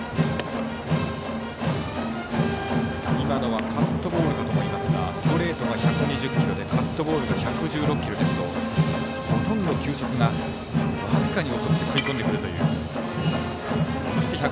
今のはカットボールだと思いますがストレートが１２０キロでカットボールが１１６キロですとほとんど球速が僅かに遅くて食い込んでくるという。